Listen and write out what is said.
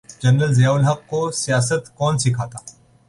General Zia ul Haq کو سیاست کون سکھاتا۔